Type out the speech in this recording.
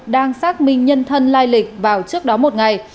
đang xác minh nhân thân lai lịch vào trước đó một ngày